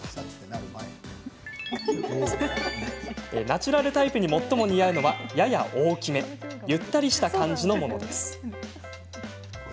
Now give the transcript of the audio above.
ナチュラルタイプに最も似合うのは、やや大きめゆったりした感じのものです。